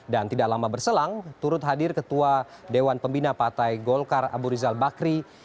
dan tidak lama berselang turut hadir ketua dewan pembina partai golkar abu rizal bakri